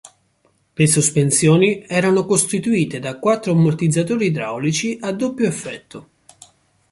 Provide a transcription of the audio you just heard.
Le sospensioni erano costituite da quattro ammortizzatori idraulici a doppio effetto.